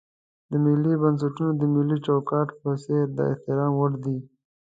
دا ملي بنسټونه د ملي چوکاټ په څېر د احترام وړ دي.